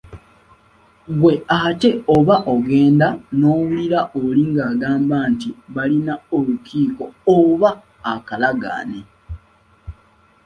Ggwe ate oba ogenda n’owulira oli ng’agamba nti balina olukiiko oba akalagaane